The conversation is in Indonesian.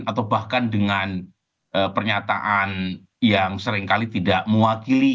atau bahkan dengan pernyataan yang seringkali tidak mewakili